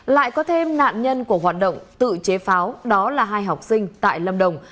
lại có thêm nạn nhân của hoạt động tự chế pháo đó là hai học sinh tại lâm đồng